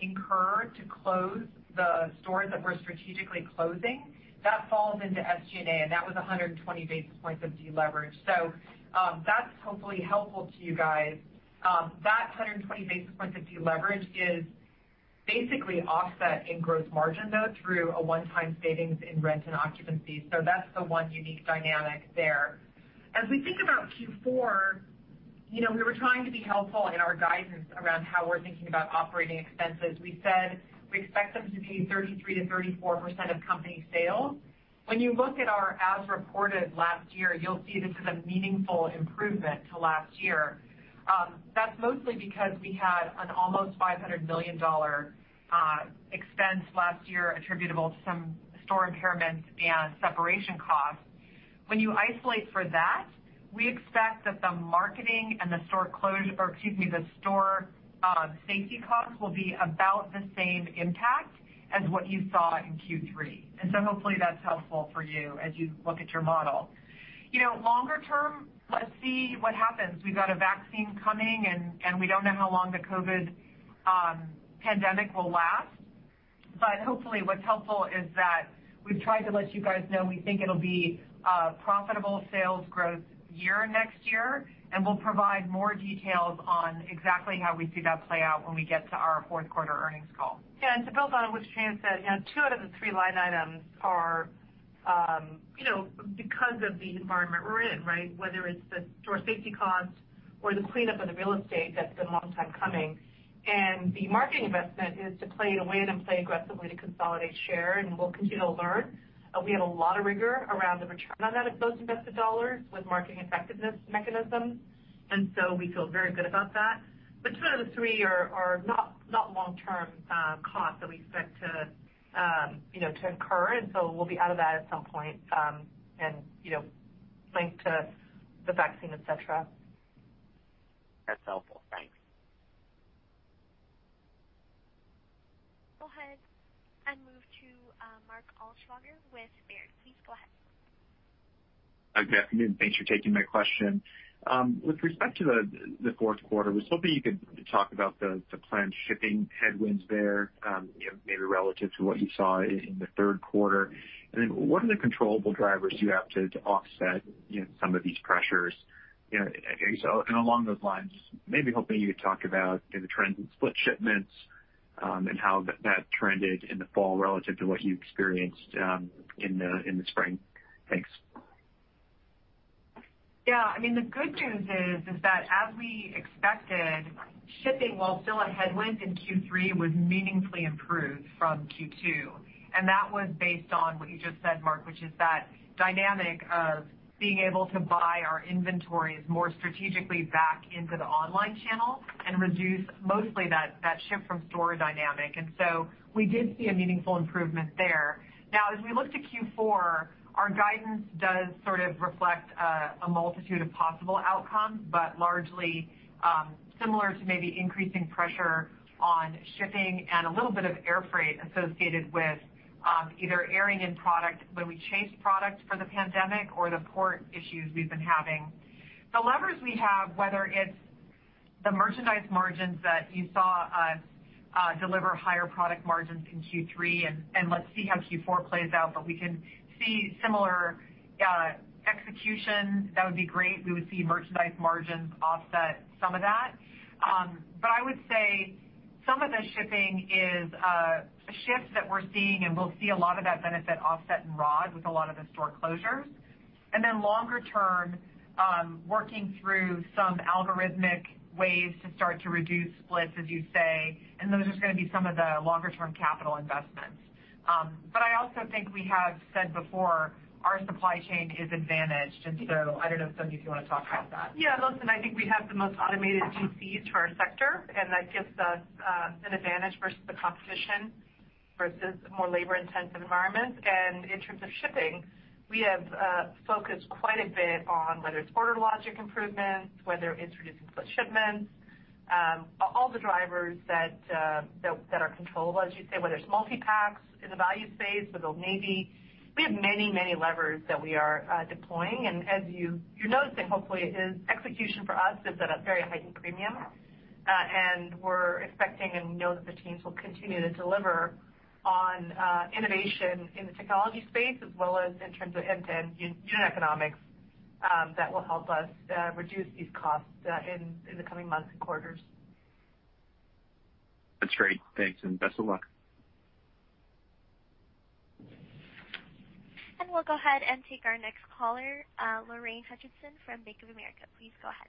incur to close the stores that we're strategically closing, that falls into SG&A, that was 120 basis points of deleverage. That's hopefully helpful to you guys. That 120 basis points of deleverage is basically offset in gross margin, though, through a one-time savings in rent and occupancy. That's the one unique dynamic there. As we think about Q4, we were trying to be helpful in our guidance around how we're thinking about operating expenses. We said we expect them to be 33%-34% of company sales. When you look at our as reported last year, you'll see this is a meaningful improvement to last year. That's mostly because we had an almost $500 million expense last year attributable to some store impairments and separation costs. When you isolate for that, we expect that the marketing and the store safety costs will be about the same impact as what you saw in Q3. Hopefully that's helpful for you as you look at your model. Longer term, let's see what happens. We've got a vaccine coming and we don't know how long the COVID pandemic will last, but hopefully what's helpful is that we've tried to let you guys know we think it'll be a profitable sales growth year next year, and we'll provide more details on exactly how we see that play out when we get to our fourth quarter earnings call. To build on what Katrina said, two out of the three line items are because of the environment we're in, right? Whether it's the store safety costs or the cleanup of the real estate, that's been a long time coming. The marketing investment is to play to win and play aggressively to consolidate share, and we'll continue to learn. We have a lot of rigor around the return on those invested dollars with marketing effectiveness mechanisms, and so we feel very good about that. Two out of the three are not long-term costs that we expect to incur, and so we'll be out of that at some point. That's helpful. Thanks. We'll go ahead and move to Mark Altschwager with Baird. Please go ahead. Good afternoon. Thanks for taking my question. With respect to the fourth quarter, I was hoping you could talk about the planned shipping headwinds there, maybe relative to what you saw in the third quarter. What other controllable drivers do you have to offset some of these pressures? Along those lines, just maybe hoping you could talk about maybe the trends in split shipments and how that trended in the fall relative to what you experienced in the spring. Thanks. Yeah. The good news is that as we expected, shipping, while still a headwind in Q3, was meaningfully improved from Q2, and that was based on what you just said, Mark, which is that dynamic of being able to buy our inventories more strategically back into the online channel and reduce mostly that ship from store dynamic. We did see a meaningful improvement there. Now, as we look to Q4, our guidance does sort of reflect a multitude of possible outcomes, but largely, similar to maybe increasing pressure on shipping and a little bit of air freight associated with either airing in product when we chase product for the pandemic or the port issues we've been having. The levers we have, whether it's the merchandise margins that you saw us deliver higher product margins in Q3, and let's see how Q4 plays out, but we can see similar execution, that would be great. We would see merchandise margins offset some of that. I would say some of the shipping is a shift that we're seeing, and we'll see a lot of that benefit offset in ROD with a lot of the store closures. Longer term, working through some algorithmic ways to start to reduce splits, as you say, and those are just going to be some of the longer term capital investments. I also think we have said before, our supply chain is advantaged. I don't know, Sonia, if you want to talk about that. Yeah. Listen, I think we have the most automated DCs for our sector, and that gives us an advantage versus the competition versus a more labor intense environment. In terms of shipping, we have focused quite a bit on whether it's order logic improvements, whether introducing split shipments. All the drivers that are controllable, as you say, whether it's multi-packs in the value space or Old Navy. We have many levers that we are deploying, and as you're noticing, hopefully, is execution for us is at a very heightened premium. We're expecting and know that the teams will continue to deliver on innovation in the technology space as well as in terms of end-to-end unit economics that will help us reduce these costs in the coming months and quarters. That's great. Thanks, and best of luck. We'll go ahead and take our next caller, Lorraine Hutchinson from Bank of America. Please go ahead.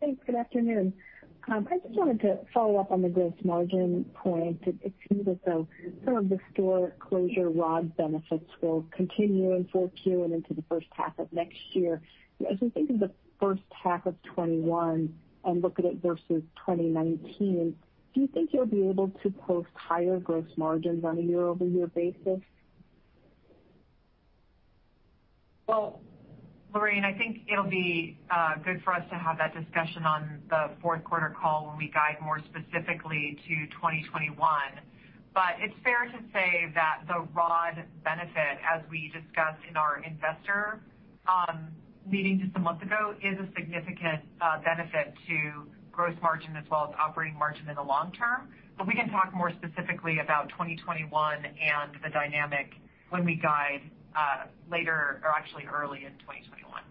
Thanks. Good afternoon. I just wanted to follow up on the gross margin point. It seems as though some of the store closure ROD benefits will continue in 4Q and into the first half of next year. As we think of the first half of 2021 and look at it versus 2019, do you think you'll be able to post higher gross margins on a year-over-year basis? Lorraine, I think it'll be good for us to have that discussion on the fourth quarter call when we guide more specifically to 2021. It's fair to say that the ROD benefit, as we discussed in our investor meeting just a month ago, is a significant benefit to gross margin as well as operating margin in the long term. We can talk more specifically about 2021 and the dynamic when we guide later or actually early in 2021.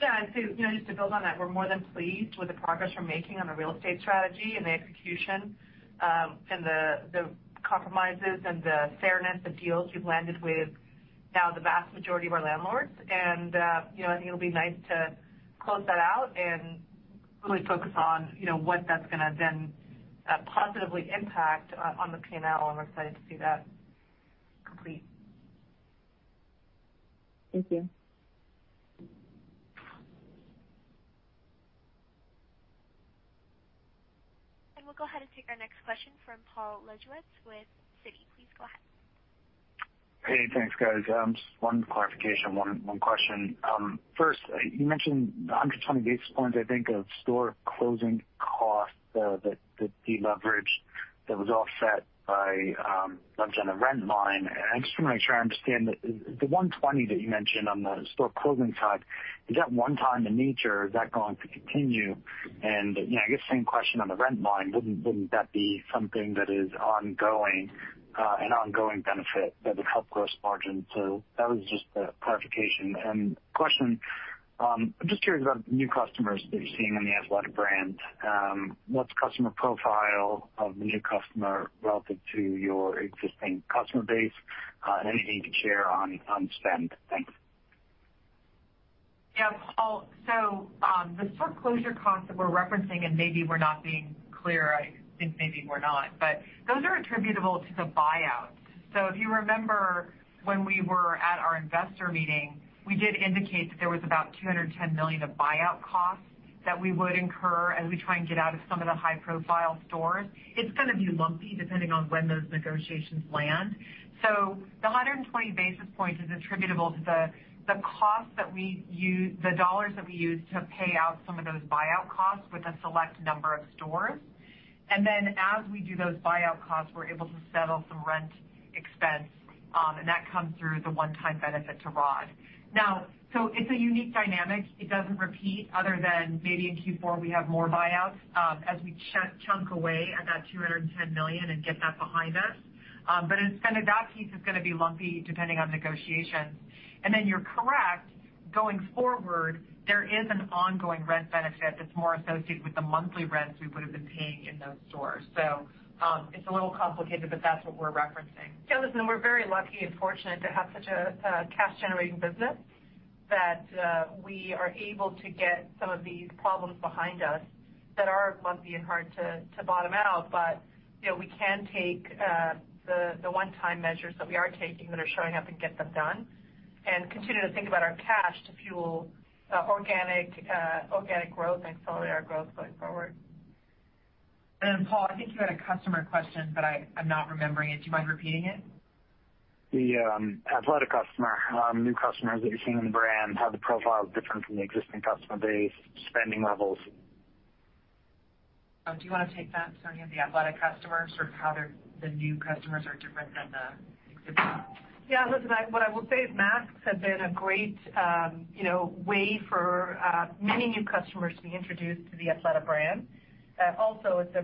Yeah, I'd say, just to build on that, we're more than pleased with the progress we're making on the real estate strategy and the execution, and the compromises and the fairness of deals we've landed with now the vast majority of our landlords. I think it'll be nice to close that out and really focus on what that's going to then positively impact on the P&L, and we're excited to see that complete. Thank you. We'll go ahead and take our next question from Paul Lejuez with Citi. Please go ahead. Hey, thanks, guys. Just one clarification, one question. First, you mentioned 120 basis points, I think, of store closing costs, the deleverage that was offset by a nudge on the rent line. I just want to make sure I understand, the 120 that you mentioned on the store closing side, is that one time in nature, or is that going to continue? I guess same question on the rent line. Wouldn't that be something that is an ongoing benefit that would help gross margin? That was just a clarification. Question, I'm just curious about new customers that you're seeing in the Athleta brand. What's customer profile of the new customer relative to your existing customer base? Anything you can share on spend? Thanks. Yeah, Paul. The store closure costs that we're referencing, and maybe we're not being clear, I think maybe we're not, but those are attributable to the buyouts. If you remember when we were at our investor meeting, we did indicate that there was about $210 million of buyout costs that we would incur as we try and get out of some of the high profile stores. It's going to be lumpy depending on when those negotiations land. The 120 basis points is attributable to the dollars that we use to pay out some of those buyout costs with a select number of stores. As we do those buyout costs, we're able to settle some rent expense, and that comes through the one-time benefit to ROD. Now, it's a unique dynamic. It doesn't repeat other than maybe in Q4, we have more buyouts as we chunk away at that $210 million and get that behind us. That piece is going to be lumpy depending on negotiations. You're correct, going forward, there is an ongoing rent benefit that's more associated with the monthly rents we would have been paying in those stores. It's a little complicated, but that's what we're referencing. Yeah, listen, we're very lucky and fortunate to have such a cash generating business that we are able to get some of these problems behind us that are lumpy and hard to bottom out. We can take the one time measures that we are taking that are showing up and get them done and continue to think about our cash to fuel organic growth and accelerate our growth going forward. Paul, I think you had a customer question, but I'm not remembering it. Do you mind repeating it? The Athleta customer, new customers that you're seeing in the brand, how the profile is different from the existing customer base, spending levels? Do you want to take that, Sonia, the Athleta customers or how the new customers are different than the existing? Listen, what I will say is masks has been a great way for many new customers to be introduced to the Athleta brand. It's a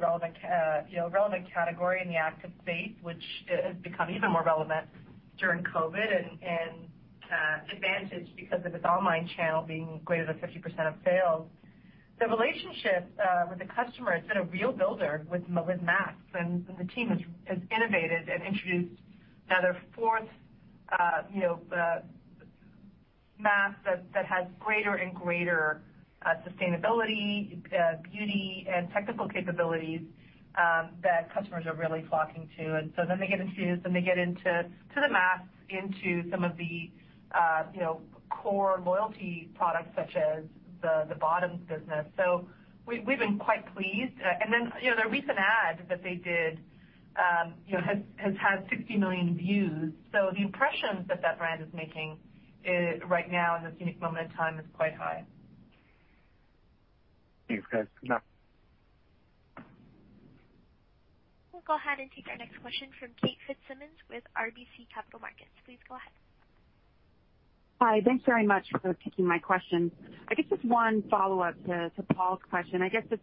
relevant category in the active space, which has become even more relevant during COVID, and advantaged because of its online channel being greater than 50% of sales. The relationship with the customer has been a real builder with masks, the team has innovated and introduced now their fourth mask that has greater and greater sustainability, beauty, and technical capabilities that customers are really flocking to. They get into the masks, into some of the core loyalty products such as the bottoms business. We've been quite pleased. The recent ad that they did has had 60 million views. The impressions that brand is making right now in this unique moment in time is quite high. Thanks, guys. Enough. We'll go ahead and take our next question from Kate Fitzsimons with RBC Capital Markets. Please go ahead. Hi. Thanks very much for taking my question. I guess just one follow-up to Paul's question. I guess it's,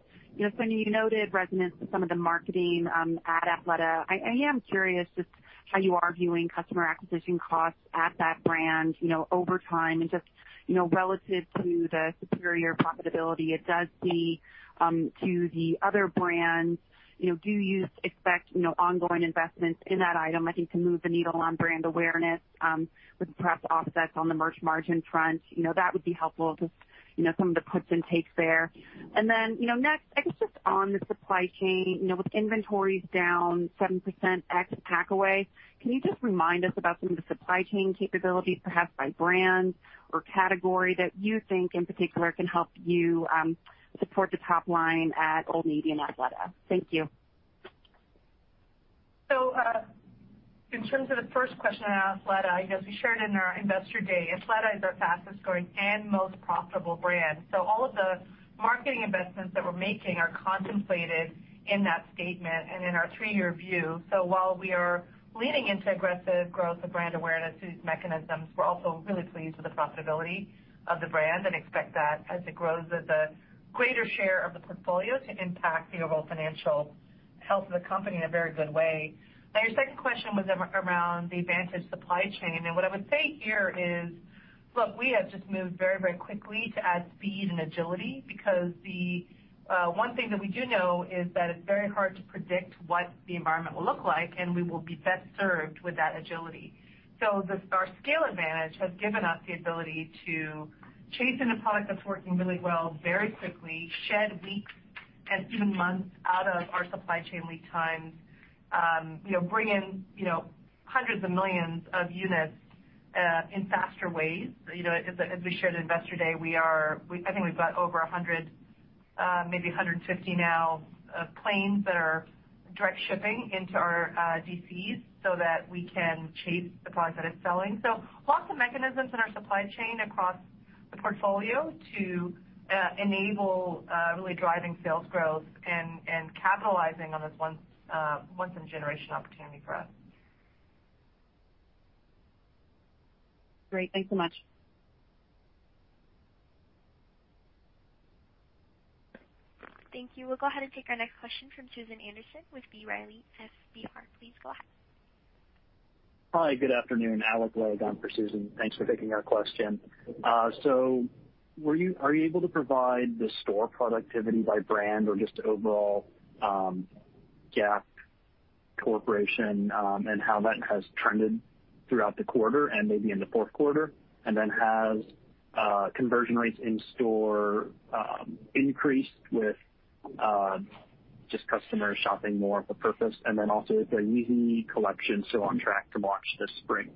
Sonia, you noted resonance with some of the marketing at Athleta. I am curious just how you are viewing customer acquisition costs at that brand over time and just relative to the superior profitability it does see to the other brands. Do you expect ongoing investments in that item, I think, to move the needle on brand awareness with perhaps offsets on the merch margin front? That would be helpful, just some of the puts and takes there. Next, I guess just on the supply chain, with inventories down 7% ex pack-and-hold, can you just remind us about some of the supply chain capabilities, perhaps by brand or category, that you think in particular can help you support the top line at Old Navy and Athleta? Thank you. In terms of the first question on Athleta, as we shared in our Investor Day, Athleta is our fastest-growing and most profitable brand. All of the marketing investments that we're making are contemplated in that statement and in our three-year view. While we are leaning into aggressive growth of brand awareness through these mechanisms, we're also really pleased with the profitability of the brand and expect that as it grows as a greater share of the portfolio to impact the overall financial health of the company in a very good way. Your second question was around the vantage supply chain, and what I would say here is, look, we have just moved very quickly to add speed and agility because the one thing that we do know is that it's very hard to predict what the environment will look like, and we will be best served with that agility. Our scale advantage has given us the ability to chase in a product that's working really well very quickly, shed weeks and even months out of our supply chain lead times, bring in hundreds of millions of units in faster ways. As we shared at Investor Day, I think we've got over 100, maybe 150 now, planes that are direct shipping into our DCs so that we can chase the product that is selling. Lots of mechanisms in our supply chain across the portfolio to enable really driving sales growth and capitalizing on this once in a generation opportunity for us. Great. Thanks so much. Thank you. We'll go ahead and take our next question from Susan Anderson with B. Riley FBR. Please go ahead. Hi, good afternoon. [INAUDIBLE] Logan for Susan. Thanks for taking our question. Are you able to provide the store productivity by brand or just overall Gap corporation and how that has trended throughout the quarter and maybe into fourth quarter? Have conversion rates in store increased with just customers shopping more for purpose? Is the Yeezy collection still on track to launch this spring?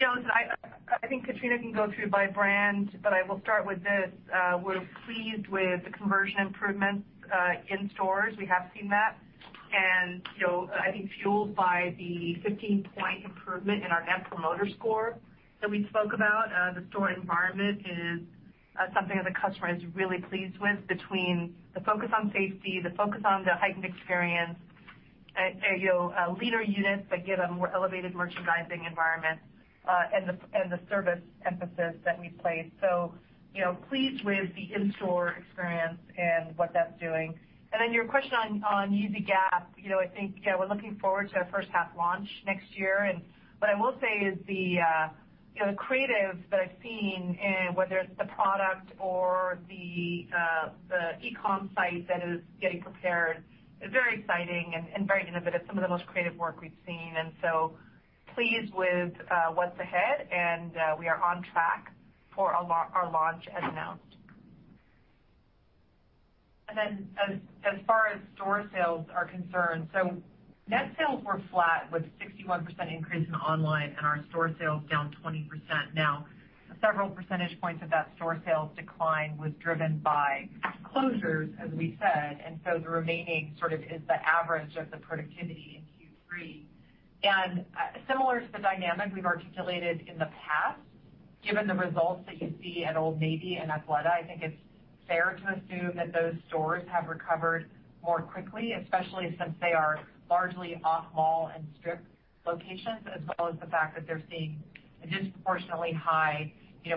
I think Katrina can go through by brand, but I will start with this. We're pleased with the conversion improvements in stores. We have seen that. I think fueled by the 15-point improvement in our Net Promoter Score that we spoke about, the store environment is something that the customer is really pleased with, between the focus on safety, the focus on the heightened experience, leader units that give a more elevated merchandising environment, and the service emphasis that we placed. Pleased with the in-store experience and what that's doing. Your question on Yeezy Gap. I think we're looking forward to our first half launch next year. What I will say is the creative that I've seen, whether it's the product or the e-com site that is getting prepared, is very exciting and very innovative, some of the most creative work we've seen. Pleased with what's ahead, and we are on track for our launch as announced. As far as store sales are concerned, net sales were flat with 61% increase in online and our store sales down 20%. Several percentage points of that store sales decline was driven by closures, as we said, and so the remaining sort of is the average of the productivity in Q3. Similar to the dynamic we've articulated in the past, given the results that you see at Old Navy and Athleta, I think it's fair to assume that those stores have recovered more quickly, especially since they are largely off-mall and strip locations, as well as the fact that they're seeing a disproportionately high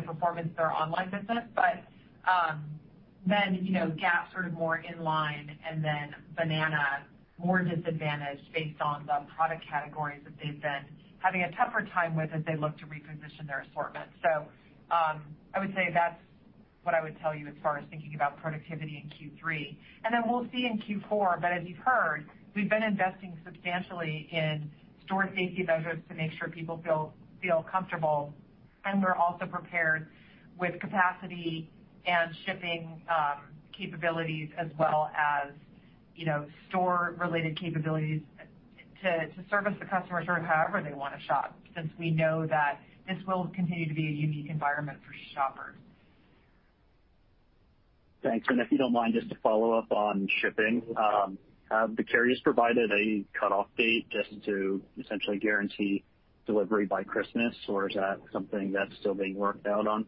performance in their online business. Gap more in line, Banana more disadvantaged based on the product categories that they've been having a tougher time with as they look to reposition their assortment. I would say that's what I would tell you as far as thinking about productivity in Q3. We'll see in Q4, but as you've heard, we've been investing substantially in store safety measures to make sure people feel comfortable. We're also prepared with capacity and shipping capabilities as well as store related capabilities to service the customer however they want to shop, since we know that this will continue to be a unique environment for shoppers. Thanks. If you don't mind, just to follow up on shipping. Have the carriers provided a cutoff date just to essentially guarantee delivery by Christmas, or is that something that's still being worked out on?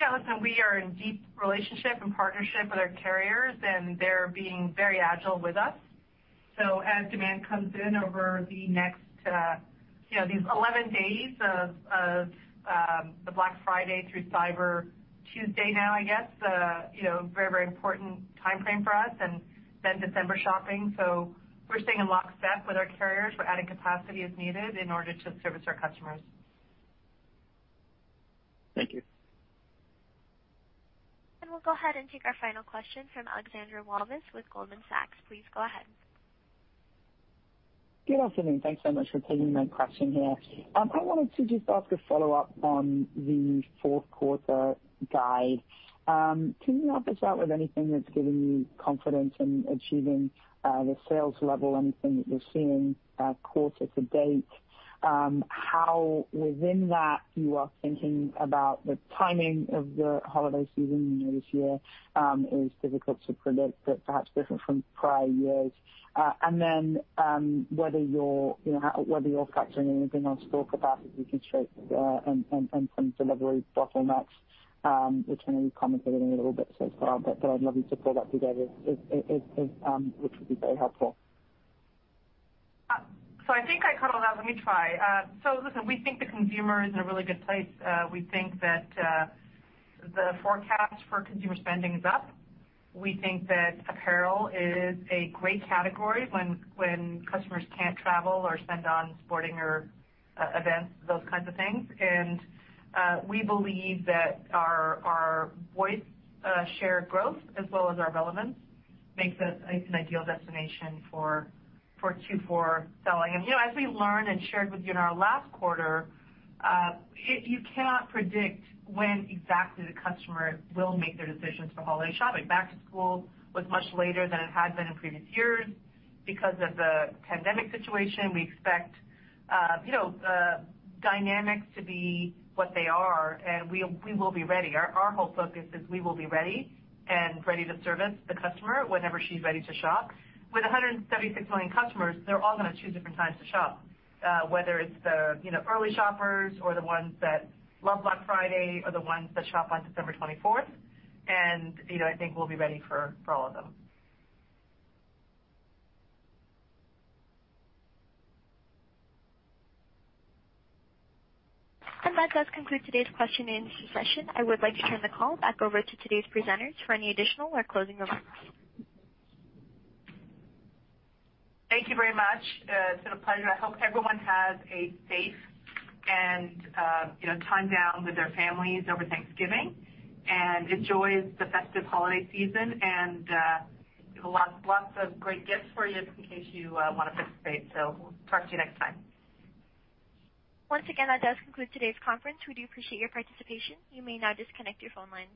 Yeah, listen, we are in deep relationship and partnership with our carriers, and they're being very agile with us. As demand comes in over these 11 days of the Black Friday through Cyber Tuesday now, I guess, very important timeframe for us, and then December shopping. We're staying in lockstep with our carriers. We're adding capacity as needed in order to service our customers. Thank you. We'll go ahead and take our final question from Alexandra Walvis with Goldman Sachs. Please go ahead. Good afternoon. Thanks so much for taking my question here. I wanted to just ask a follow-up on the fourth quarter guide. Can you help us out with anything that's giving you confidence in achieving the sales level, anything that you're seeing quarter to date? How within that, you are thinking about the timing of the holiday season this year is difficult to predict, but perhaps different from prior years. Whether you're factoring anything on store capacity constraints and some delivery bottlenecks, which you commented on a little bit so far, but I'd love you to pull that together, which would be very helpful. I think I covered that. Let me try. Listen, we think the consumer is in a really good place. We think that the forecast for consumer spending is up. We think that apparel is a great category when customers can't travel or spend on sporting events, those kinds of things. We believe that our voice share growth as well as our relevance makes us an ideal destination for Q4 selling. As we learned and shared with you in our last quarter, you cannot predict when exactly the customer will make their decisions for holiday shopping. Back to school was much later than it had been in previous years because of the pandemic situation. We expect dynamics to be what they are, and we will be ready. Our whole focus is we will be ready and ready to service the customer whenever she's ready to shop. With 176 million customers, they're all going to choose different times to shop, whether it's the early shoppers or the ones that love Black Friday or the ones that shop on December 24th. I think we'll be ready for all of them. That does conclude today's question and answer session. I would like to turn the call back over to today's presenters for any additional or closing remarks. Thank you very much. It's been a pleasure. I hope everyone has a safe and time down with their families over Thanksgiving and enjoys the festive holiday season. We have lots of great gifts for you just in case you want to participate. We'll talk to you next time. Once again, that does conclude today's conference. We do appreciate your participation. You may now disconnect your phone lines.